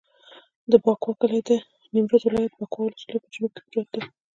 د بکوا کلی د نیمروز ولایت، بکوا ولسوالي په جنوب کې پروت دی.